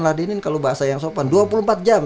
nadine kalau bahasa yang sopan dua puluh empat jam